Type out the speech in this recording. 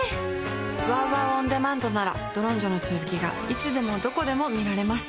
ＷＯＷＯＷオンデマンドなら「ＤＯＲＯＮＪＯ／ドロンジョ」の続きがいつでもどこでも見られます